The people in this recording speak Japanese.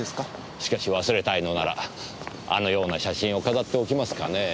しかし忘れたいのならあのような写真を飾っておきますかねぇ？